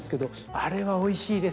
あれはおいしいですね。